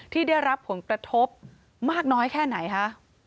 ที่ได้รับผลกระทบมากน้อยแค่ไหนคะ